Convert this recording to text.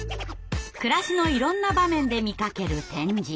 暮らしのいろんな場面で見かける「点字」。